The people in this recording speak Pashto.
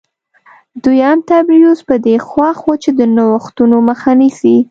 دویم تبریوس په دې خوښ و چې د نوښتونو مخه نیسي